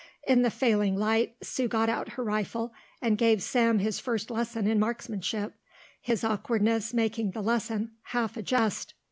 In the failing light, Sue got out her rifle and gave Sam his first lesson in marksmanship, his awkwardness making the lesson half a jest.